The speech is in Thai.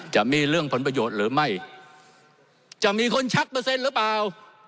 จะมีเรื่องผลประโยชน์หรือไม่จะมีคนชักเปอร์เซ็นต์หรือเปล่า